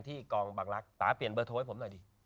ที่กองบังลักษณ์ป่าเปลี่ยนเบอร์โทรให้ผมหน่อยดิ